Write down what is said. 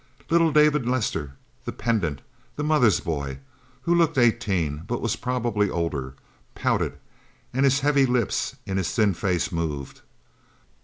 Little David Lester, the pedant, the mother's boy, who looked eighteen but was probably older, pouted, and his heavy lips in his thin face moved.